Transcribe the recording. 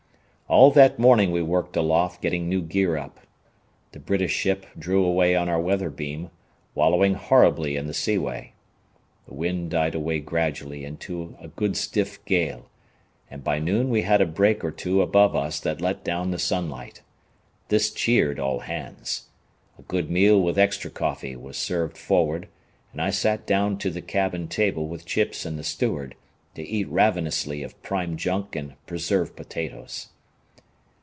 All that morning we worked aloft getting new gear up. The British ship drew away on our weather beam, wallowing horribly in the seaway. The wind died away gradually into a good stiff gale, and by noon we had a break or two above us that let down the sunlight. This cheered all hands. A good meal with extra coffee was served forward, and I sat down to the cabin table with Chips and the steward, to eat ravenously of prime junk and preserved potatoes.